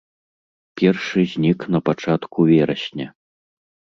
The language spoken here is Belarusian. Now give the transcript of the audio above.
Першы знік на пачатку верасня.